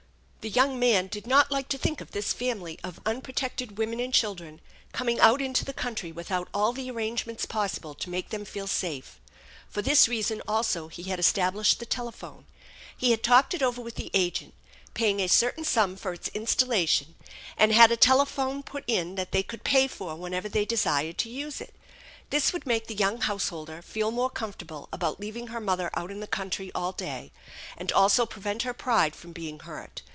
The young man did not like to think of this family of unprotected women and children coming out into the country without all the arrangements possible to make them feel safe. For this reason also he had established the telephone. He had talked it over with the agent, paying a certain sum for its instaila 94 THE ENCHANTED BARN tion, and had a telephone put in that they could pay for whenever they desired to use it. This would make the young householder feel more comfortable about leaving her mother out in the country all day, and also prevent her pride from being hurt.